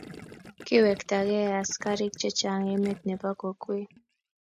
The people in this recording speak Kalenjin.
kiwektagei askarik chechang' emet nebo kokwet.